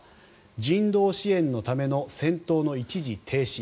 人道支援のための戦闘の一時停止。